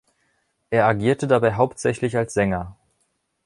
Er agierte dabei hauptsächlich als Sänger.